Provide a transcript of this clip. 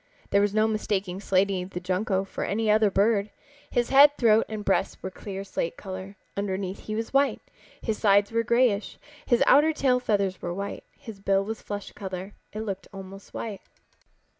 There was no mistaking Slaty the Junco for any other bird. His head, throat and breast were clear slate color. Underneath he was white. His sides were grayish. His outer tail feathers were white. His bill was flesh color. It looked almost white.